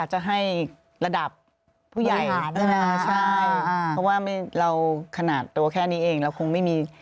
ใช่เพราะว่าเราขนาดตัวแค่นี้เองเราคงไม่มี